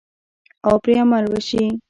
او پرې عمل وشي.